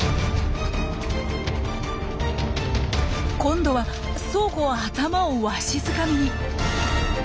今度は双方頭をわしづかみに。